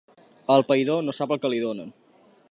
El païdor no sap el que li donen.